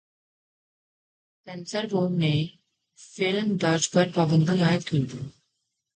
censor board نے فلم درج پر پابندی عائد کر دی